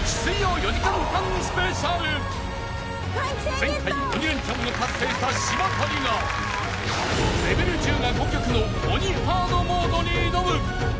［前回鬼レンチャンを達成した島谷がレベル１０が５曲の鬼ハードモードに挑む！］